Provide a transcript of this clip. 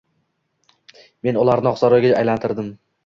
Men ularni Oqsaroynga aylantirdim.